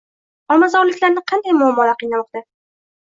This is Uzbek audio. Olmazorliklarni qanday muammolar qiynamoqda?